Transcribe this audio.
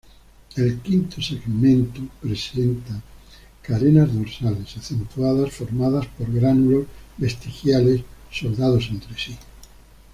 El V segmento presente carenas dorsales acentuadas formadas por gránulos vestigiales soldados entre sí.